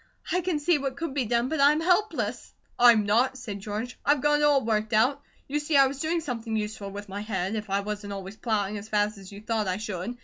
"I can see what could be done, but I'm helpless." "I'M NOT!" said George. "I've got it all worked out. You see I was doing something useful with my head, if I wasn't always plowing as fast as you thought I should.